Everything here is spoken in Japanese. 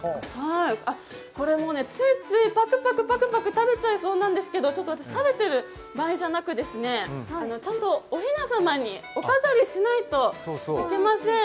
ついつい、パクパク食べちゃいそうなんですけどちょっと私食べてる場合じゃなく、ちゃんとおひな様にお飾りしないといけません。